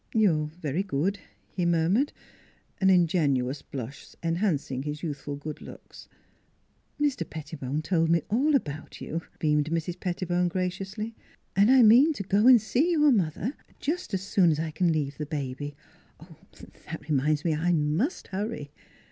" You are very good," he murmured, an ingenuous blush enhancing his youthful good looks. " Mr. Pettibone told me all about you," beamed Mrs. Pettibone graciously. " And I mean to go and see your mother, just as soon as I can leave the baby. ... And that reminds me, I must hurry."